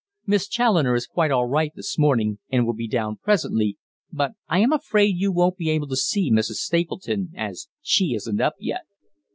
Miss Challoner is quite all right this morning, and will be down presently, but I am afraid you won't be able to see Mrs. Stapleton, as she isn't up yet."